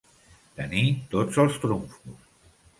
Tenir tots els trumfos.